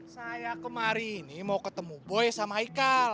saya kemarin mau ketemu boy sama haikal